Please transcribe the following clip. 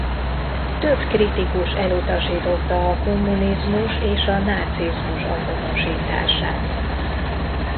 Több kritikus elutasította a kommunizmus és a nácizmus azonosítását.